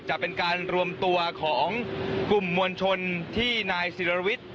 จะเป็นการรวมตัวของกลุ่มมวลชนที่นายศิรวิทย์